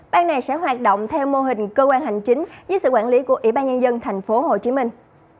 ban này sẽ hoạt động theo mô hình cơ quan hành chính với sự quản lý của ủy ban nhân dân thành phố hồ chí minh